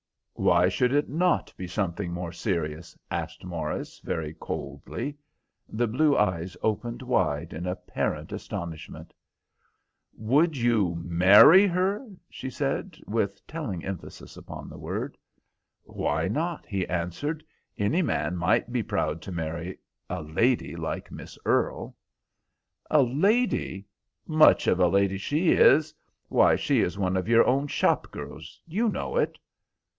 "Why should it not be something more serious?" asked Morris, very coldly. The blue eyes opened wide in apparent astonishment. "Would you marry her?" she said, with telling emphasis upon the word. "Why not?" he answered. "Any man might be proud to marry a lady like Miss Earle." "A lady! Much of a lady she is! Why, she is one of your own shop girls. You know it."